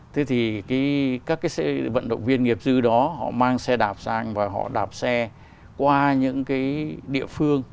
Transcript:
thế thì các cái vận động viên nghiệp dư đó họ mang xe đạp sang và họ đạp xe qua những cái địa phương